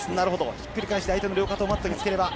ひっくり返して相手の両肩をマットにつければ。